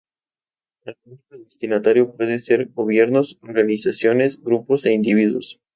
El público destinatario puede ser gobiernos, organizaciones, grupos e individuos.